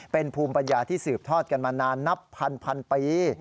เป็นภูมิปัญญาที่สืบทอดกันมานานนับพันปี